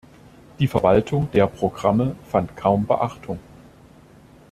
Die Verwaltung der Programme fand kaum Beachtung.